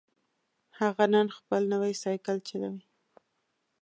هغه نن خپل نوی سایکل چلوي